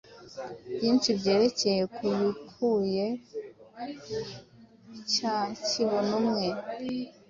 byinshi byerekeye ku kibuye cya kibonumwe